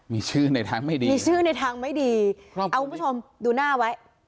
มีชื่อเสียมีชื่อในทางไม่ดีเอามูลชมดูหน้าไว้